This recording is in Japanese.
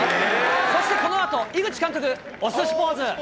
そしてこのあと井口監督、おすしポーズ。